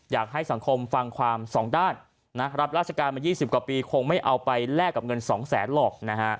อยากให้สังคมฟังความสองด้านรับราชการมา๒๐กว่าปีคงไม่เอาไปแลกกับเงิน๒แสนหรอก